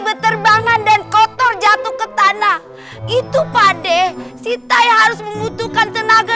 berterbangan dan kotor jatuh ke tanah itu pade sita yang harus membutuhkan tenaga